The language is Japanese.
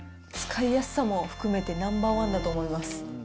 使いやすさも含めてナンバー１だと思います。